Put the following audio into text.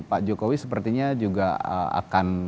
pak jokowi sepertinya juga akan